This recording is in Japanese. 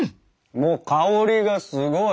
もう香りがすごい！